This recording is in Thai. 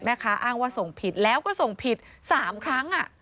แม่คะอ้างว่าส่งผิดแล้วก็ส่งผิด๓ครั้งอ่ะ